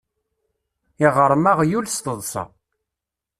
Iɣṛem aɣyul, s teḍṣa.